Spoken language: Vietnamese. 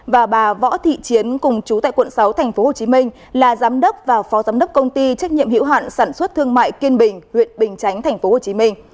và bà võ thị chiến cùng chú tại quận sáu tp hcm là giám đốc và phó giám đốc công ty trách nhiệm hiệu hạn sản xuất thương mại kiên bình huyện bình chánh tp hcm